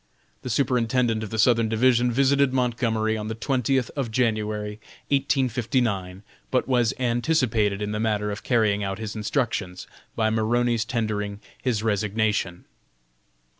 The Superintendent of the Southern Division visited Montgomery on the twentieth of January, 1859, but was anticipated in the matter of carrying out his instructions, by Maroney's tendering his resignation.